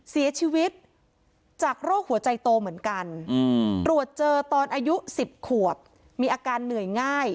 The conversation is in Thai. เสียชีวิตจากโรคหัวใจโตเหมือนกันตรวจเจอตอนอายุ๑๐ขวบมีอาการเหนื่อยง่าย